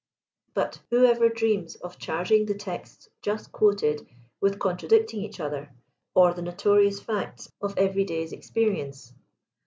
But who ever dreams of charging the texts just quoted with contradicting each other or the notorious facts of every day's experience?